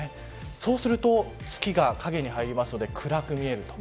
そうすると月が影に入りますので暗く見える。